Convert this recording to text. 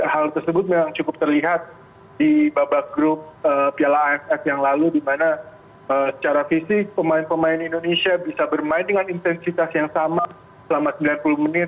hal tersebut memang cukup terlihat di babak grup piala aff yang lalu dimana secara fisik pemain pemain indonesia bisa bermain dengan intensitas yang sama selama sembilan puluh menit